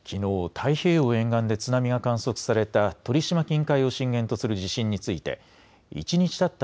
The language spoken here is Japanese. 太平洋沿岸で津波が観測された鳥島近海を震源とする地震について一日たった